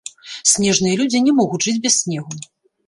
Снежныя людзі не могуць жыць без снегу.